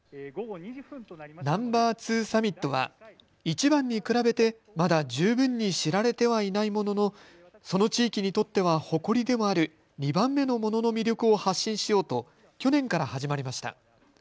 Ｎｏ．２サミットは１番に比べてまだ十分に知られてはいないもののその地域にとっては誇りでもある２番目のものの魅力を発信しようと去年から始まりました。